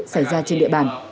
xảy ra trên địa bàn